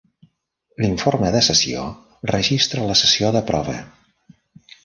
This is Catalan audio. L'informe de sessió registra la sessió de prova.